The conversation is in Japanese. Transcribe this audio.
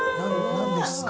何ですか？